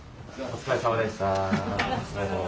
お疲れさまです。